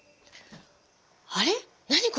あれっ何？